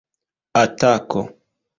atako